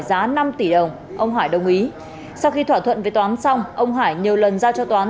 giá năm tỷ đồng ông hải đồng ý sau khi thỏa thuận với toán xong ông hải nhiều lần giao cho toán